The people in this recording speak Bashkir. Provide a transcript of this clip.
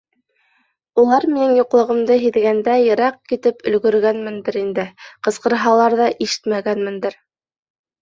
Улар минең юҡлығымды һиҙгәндә йыраҡ китеп өлгөргәнмендер инде, ҡысҡырһалар ҙа, ишетмәгәнмендер.